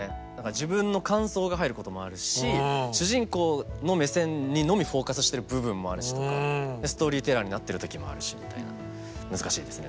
自分の感想が入ることもあるし主人公の目線にのみフォーカスしてる部分もあるしとかストーリーテラーになってる時もあるしみたいな難しいですね。